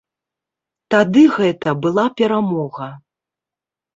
Тады гэта была перамога.